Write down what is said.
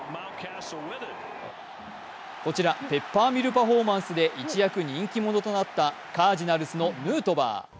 こちらペッパーミルパフォーマンスで一躍人気者となったカージナルスのヌートバー。